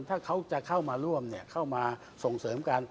ถ้าเขาจะเข้ามาร่วมเข้ามาส่งเสริมกัน